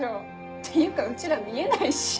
っていうかうちら見えないし。